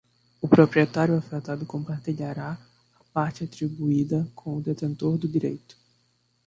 O proprietário afetado compartilhará a parte atribuída com o detentor do direito.